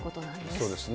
そうですね。